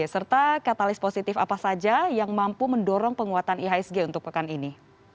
serta katalis positif apa saja yang mampu mendorong penguatan ihsg untuk pekan ini